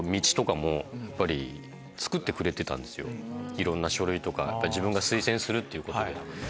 いろんな書類とか自分が推薦するっていうことで。